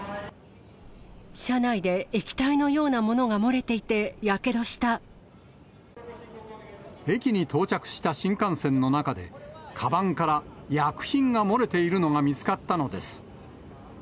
車内で液体のようなものが漏駅に到着した新幹線の中で、かばんから薬品が漏れているのが見つかったのです。